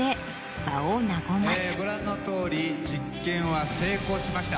ご覧のとおり実験は成功しました。